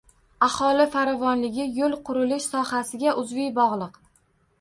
Aholi farovonligi yo‘l qurilish sohasiga uzviy bog‘liq